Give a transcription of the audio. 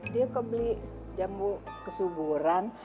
dia kebeli jamu kesuburan